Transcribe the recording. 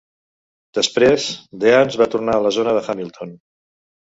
Després, Deans va tornar a la zona de Hamilton.